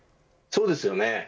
そうですよね。